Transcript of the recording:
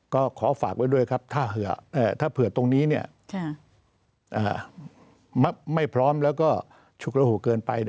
ก็ขอฝากไว้ด้วยครับถ้าเผื่อตรงนี้ไม่พร้อมแล้วก็ฉุกระหูเกินไป